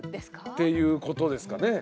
っていうことですかね。